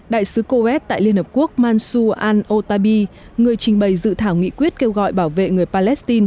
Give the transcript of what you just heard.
đại sứ coet tại liên hợp quốc mansu al otabi người trình bày dự thảo nghị quyết kêu gọi bảo vệ người palestine